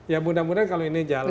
ya mudah mudahan kalau ini jalan